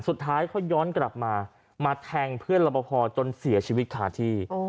สุดท้ายเขาย้อนกลับมามาแทงเพื่อนรับประพอจนเสียชีวิตคาที่